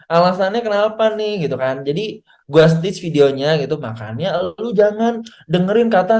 alasannya kenapa nih gitu kan jadi gua stich videonya gitu makanya lu jangan dengerin kata